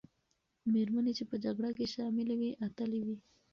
مېرمنې چې په جګړه کې شاملي وې، اتلې وې.